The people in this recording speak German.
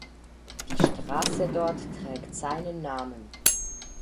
Die Straße dort trägt seinen Namen.